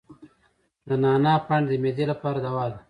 د نعناع پاڼې د معدې لپاره دوا ده.